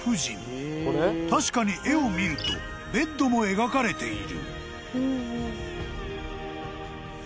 ［確かに絵を見るとベッドも描かれている］